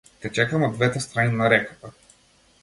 Те чекам од двете страни на реката.